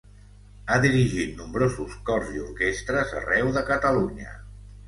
Ha dirigit nombrosos cors i orquestres arreu de Catalunya.